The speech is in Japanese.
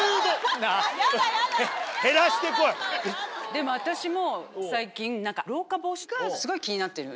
でも私も最近老化防止がすごい気になってるんですよ。